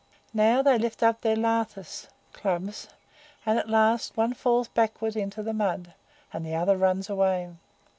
Now they lift up their lathis (clubs), and, at last, one falls backward into the mud, and the other runs away.